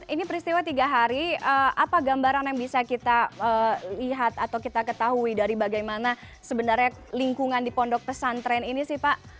ini peristiwa tiga hari apa gambaran yang bisa kita lihat atau kita ketahui dari bagaimana sebenarnya lingkungan di pondok pesantren ini sih pak